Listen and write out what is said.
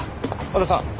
和田さん。